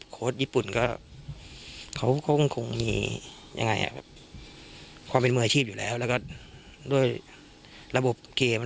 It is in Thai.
ญี่ปุ่นก็เขาก็คงมียังไงความเป็นมืออาชีพอยู่แล้วแล้วก็ด้วยระบบเกม